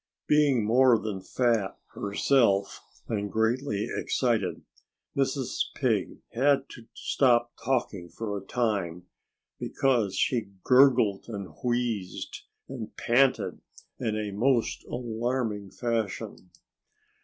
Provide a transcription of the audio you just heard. Being more than fat, herself, and greatly excited, Mrs. Pig had to stop talking for a time, because she gurgled and wheezed and panted in a most alarming fashion.